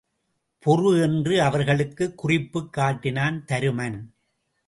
பொறு என்று அவர்களுக்குக் குறிப்புக் காட்டினான் தருமன்.